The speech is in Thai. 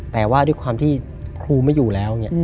แต่ว่าด้วยความที่ครูไม่อยู่แล้ว